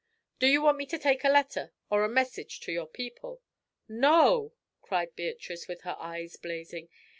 "Do you want me to take a letter or a message to your people?" "No!" cried Beatrice, with her eyes blazing.